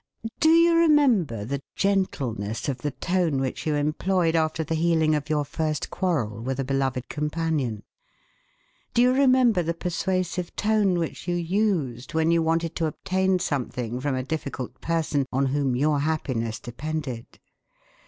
Do you remember the gentleness of the tone which you employed after the healing of your first quarrel with a beloved companion? Do you remember the persuasive tone which you used when you wanted to obtain something from a difficult person on whom your happiness depended?